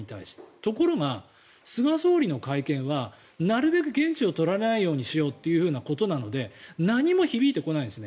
ところが菅総理の会見はなるべく言質を取らないようにしようということなので何も響いてこないんですね。